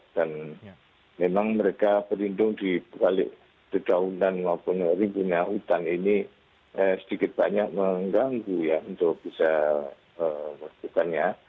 dan memang mereka berlindung di balik daunan maupun ribunya hutan ini sedikit banyak mengganggu ya untuk bisa memperlukannya